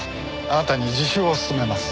あなたに自首を勧めます。